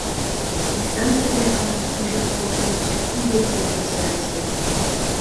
І сам сабе, гад, жытку атруціў, і дзяцей пасіраціў.